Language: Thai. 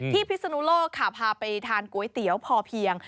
พิศนุโลกค่ะพาไปทานก๋วยเตี๋ยวพอเพียง